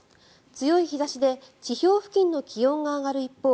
強い日差しで地表付近の気温が上がる一方